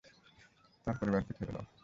তার পরিবারকে ছেড়ে দাও।